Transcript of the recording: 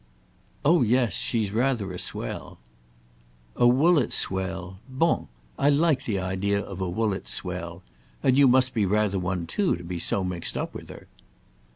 "Oh yes, she's rather a swell!" "A Woollett swell—bon! I like the idea of a Woollett swell. And you must be rather one too, to be so mixed up with her."